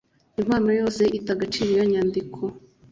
Impano yose ita agaciro iyo nyandiko